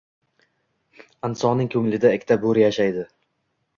Insonning ko‘nglida ikkita bo‘ri yashaydi.